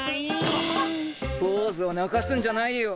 ボーズを泣かすんじゃないよ。